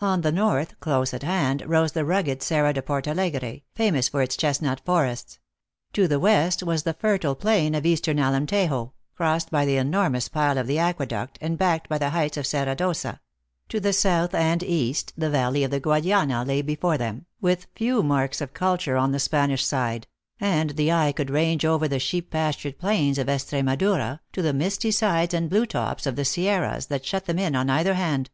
On the North, close at hand, rose the rugged Serra de Portalegre, famous for its chesnut forests ; to the west was the fertile plain of Eastern Alemtejo, cross ed by the enormous pile of the aqueduct, and backed by the heights of Serra D Ossa; to the south and east, the valley of the Guadiana lay before them, with few marks of culture on the Spanish side ; and the eye could range over the sheep pastured plains of Estremadura to the misty sides and blue tops of the sierras that shut them in on either hand.